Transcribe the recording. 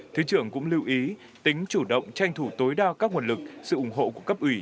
thứ trưởng cũng lưu ý tính chủ động tranh thủ tối đa các nguồn lực sự ủng hộ của cấp ủy